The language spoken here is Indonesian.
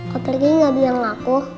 kau pergi gak bilang laku